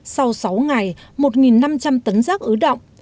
sau sáu ngày một năm trăm linh tấn rác ứ động